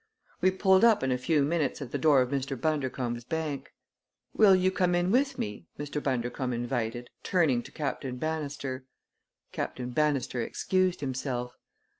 We pulled up in a few minutes at the door of Mr. Bundercombe's bank. "Will you come in with me?" Mr. Bundercombe invited, turning to Captain Bannister. Captain Bannister excused himself.